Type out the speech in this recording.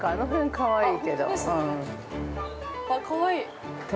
かわいい。